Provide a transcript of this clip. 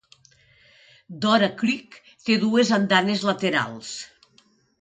Dora Creek té dues andanes laterals.